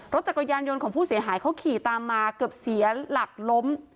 รถจักรยานยนต์ของผู้เสียหายเขาขี่ตามมาเกือบเสียหลักล้ม